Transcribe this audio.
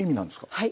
はい。